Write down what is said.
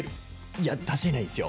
いや出せないんですよ。